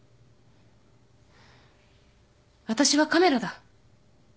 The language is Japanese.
私はカメラだ